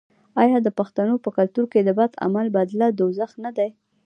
آیا د پښتنو په کلتور کې د بد عمل بدله دوزخ نه دی؟